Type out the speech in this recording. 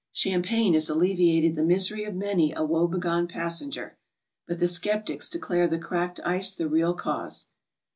Champagne has alleviated the misery of many a woebegone passenger, but the sceptics declare the cracked ice the real cause.